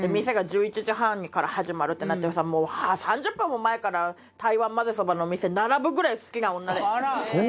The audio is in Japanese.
店が１１時半から始まるってなってもう３０分も前から台湾まぜそばの店に並ぶぐらい好きな女で。